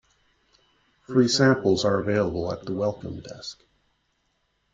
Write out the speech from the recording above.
Free samples are available at the Welcome Desk.